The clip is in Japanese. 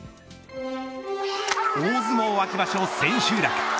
大相撲秋場所千秋楽。